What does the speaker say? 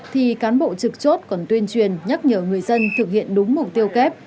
thì cán bộ trực chốt còn tuyên truyền nhắc nhở người dân thực hiện đúng mục tiêu kép